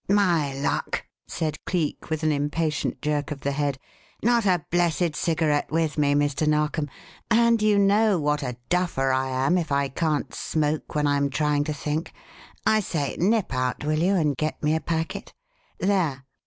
"My luck!" said Cleek, with an impatient jerk of the head. "Not a blessed cigarette with me, Mr. Narkom; and you know what a duffer I am if I can't smoke when I'm trying to think. I say nip out, will you, and get me a packet? There!"